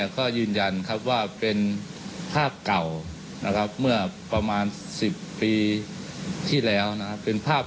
ก็ยืนยันครับว่าเป็นภาพเก่านะครับเมื่อประมาณ๑๐ปีที่แล้วนะครับ